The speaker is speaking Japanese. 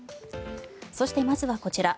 そして、まずはこちら。